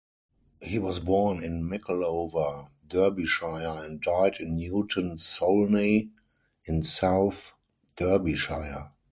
He was born in Mickleover, Derbyshire and died in Newton Solney, in South Derbyshire.